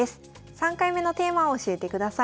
３回目のテーマを教えてください。